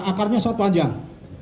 akarnya sangat panjang